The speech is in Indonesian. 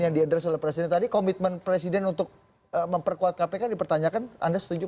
yang diadres oleh presiden tadi komitmen presiden untuk memperkuat kpk dipertanyakan anda setuju